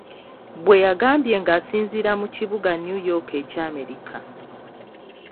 Bwe yagambye ng'asinziira mu kibuga New York ekya Amerika.